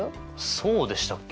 そうでしたっけ？